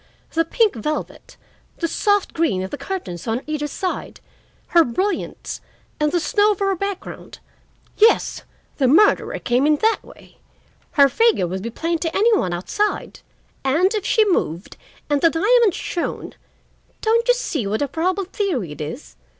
The pink velvet—the soft green of the curtains on either side—her brilliants—and the snow for a background! Yes, the murderer came in that way. Her figure would be plain to any one outside, and if she moved and the diamond shone—Don't you see what a probable theory it is?